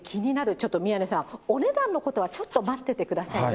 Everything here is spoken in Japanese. ちょっと宮根さん、お値段のことはちょっと待っててくださいね。